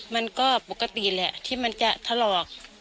มันก็ปกติแหละที่มันจะถลอก